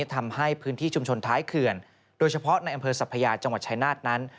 ทำให้พื้นที่ชุมชนท้ายเขื่อนโดยเฉพาะในอำเภอสัพยาจังหวัดชายนาฏนั้น